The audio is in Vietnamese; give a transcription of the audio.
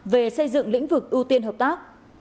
về xây dựng lĩnh vực ưu tiên hợp tác